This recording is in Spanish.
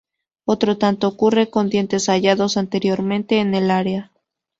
Otro tanto ocurre con dientes hallados anteriormente en el área.